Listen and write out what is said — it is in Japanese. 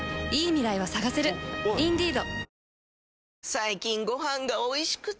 最近ご飯がおいしくて！